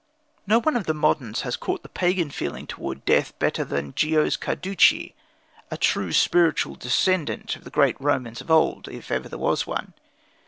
No one of the moderns has caught the pagan feeling towards death better than Giosuè Carducci, a true spiritual descendant of the great Romans of old, if ever there was one.